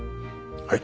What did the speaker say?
はい。